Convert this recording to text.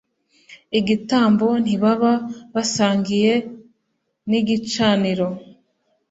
igitambo ntibaba basangiye n igicaniro